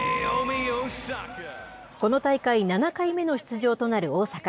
この大会７回目の出場となる大坂。